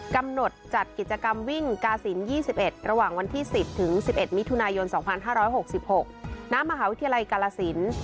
จัดกิจกรรมวิ่งกาศิลป์๒๑ระหว่างวันที่๑๐ถึง๑๑มิถุนายน๒๕๖๖ณมหาวิทยาลัยกาลสิน